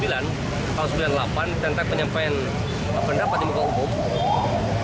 tentang penyampaian pendapat yang mengumum